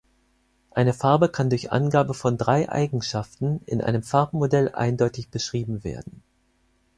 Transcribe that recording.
Eine Farbe kann durch Angabe von drei Eigenschaften in einem Farbmodell eindeutig beschrieben werden.